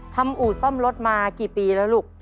อู่ซ่อมรถมากี่ปีแล้วลูก